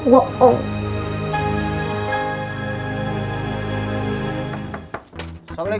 jam lagi mams